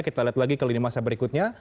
kita lihat lagi ke lini masa berikutnya